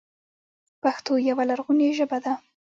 پښتو یوه لرغونې ژبه ده